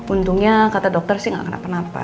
untungnya kata dokter sih gak kenapa kenapa